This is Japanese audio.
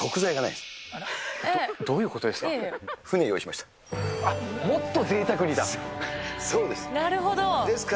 どういうことですか。